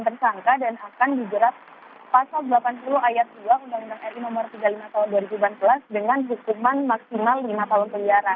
dan akan digerak pasal delapan puluh ayat dua undang undang ri nomor tiga puluh lima tahun dua ribu sebelas dengan hukuman maksimal lima tahun penyelidikan